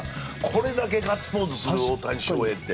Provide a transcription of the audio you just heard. これだけガッツポーズする大谷翔平って。